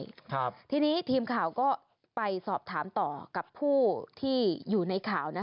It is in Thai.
ครับทีนี้ทีมข่าวก็ไปสอบถามต่อกับผู้ที่อยู่ในข่าวนะคะ